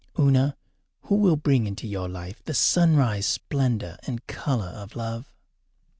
Una, who will bring into your life the sunrise splendour and colour of love?